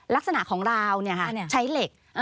ลักษณะของราวใช้เหล็ก